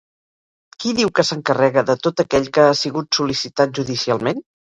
Qui diu que s'encarrega de tot aquell que ha sigut sol·licitat judicialment?